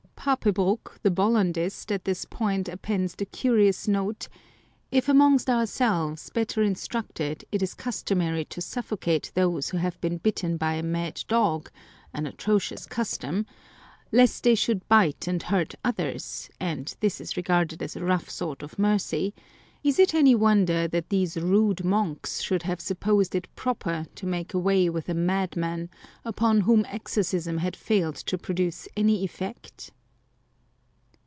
Papebroeck, the Bollandist, at this point appends the curious note : "If amongst ourselves, better instructed, it is customary to suffocate those who have been bitten by a mad dog — an atrocious custom — lest they should bite and hurt others, and this is regarded as a rough sort of mercy, is it any wonder that these rude monks should have supposed it proper to make away with a madman upon whom exorcism had failed to produce any effect